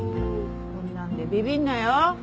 こんなんでビビるなよ。